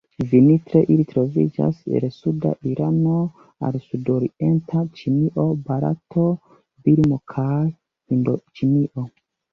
Vintre ili troviĝas el suda Irano al sudorienta Ĉinio, Barato, Birmo kaj Hindoĉinio.